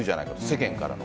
世間からの。